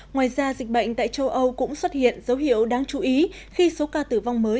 ngoài ra dịch bệnh tại châu âu cũng xuất hiện dấu hiệu đáng chú ý khi số ca tử vong mới